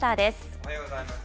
おはようございます。